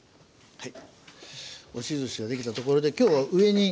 はい。